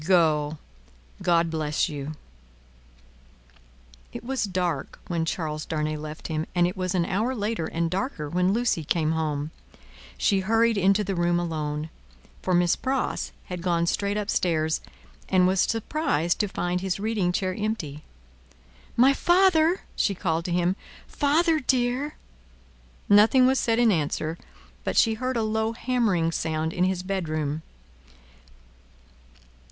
Go! God bless you!" It was dark when Charles Darnay left him, and it was an hour later and darker when Lucie came home; she hurried into the room alone for Miss Pross had gone straight up stairs and was surprised to find his reading chair empty. "My father!" she called to him. "Father dear!" Nothing was said in answer, but she heard a low hammering sound in his bedroom.